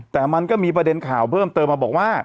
แต่มันก็มีประเด็นข่าวเพิ่มเติมมาบอกว่า